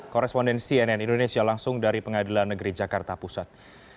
korespondensi nn indonesia langsung dari pengadilan negeri jakarta pusat